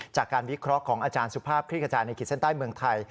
จากการวิเคราะห์ของอาจารย์สุภาพคลี่ขจายในขีดเส้นใต้เมืองไทย